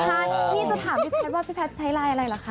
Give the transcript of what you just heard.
ใช่พี่จะถามพี่แพทย์ว่าพี่แพทย์ใช้ไลน์อะไรเหรอคะ